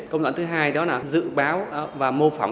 công đoạn thứ hai đó là dự báo và mô phỏng